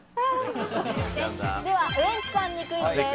ではウエンツさんにクイズです。